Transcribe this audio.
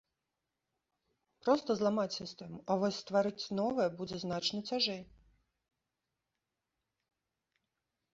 Проста зламаць сістэму, а вось стварыць новае будзе значна цяжэй.